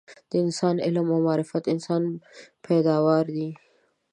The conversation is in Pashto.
د انسان علم او معرفت انسان پیداوار دي